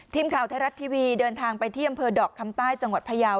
ทีมข่าวไทยรัฐทีวีเดินทางไปที่อำเภอดอกคำใต้จังหวัดพยาว